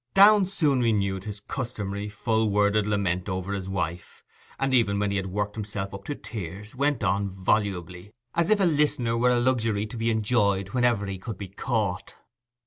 Downe soon renewed his customary full worded lament over his wife, and even when he had worked himself up to tears, went on volubly, as if a listener were a luxury to be enjoyed whenever he could be caught.